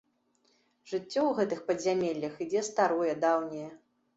Жыццё ў гэтых падзямеллях ідзе старое, даўняе.